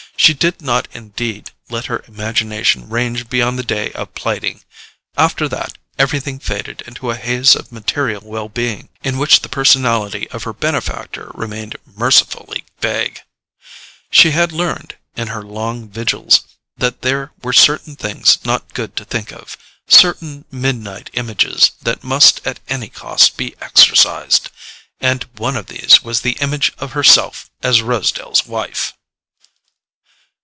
She did not indeed let her imagination range beyond the day of plighting: after that everything faded into a haze of material well being, in which the personality of her benefactor remained mercifully vague. She had learned, in her long vigils, that there were certain things not good to think of, certain midnight images that must at any cost be exorcised—and one of these was the image of herself as Rosedale's wife.